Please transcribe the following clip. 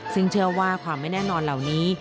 ซึ่งเชื่อว่าความไม่แน่นอนเหล่านี้